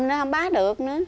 không bán được nữa